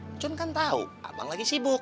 uncun kan tau abang lagi sibuk